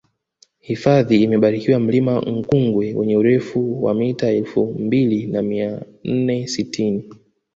hifadhi imebarikiwa mlima nkungwe wenye urefu mita elfu mbili na mia nne sitini